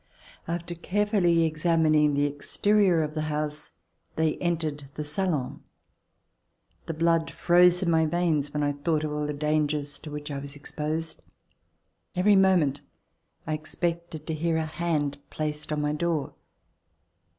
After carefully examining the exterior of the house, they entered the salon. The blood froze In my veins when I thought of all the dangers to which I was exposed. Every moment I expected to hear a hand placed upon my door.